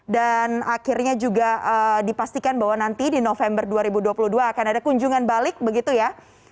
dan akhirnya juga dipastikan bahwa nanti di november dua ribu dua puluh dua akan ada kunjungan balik begitu ya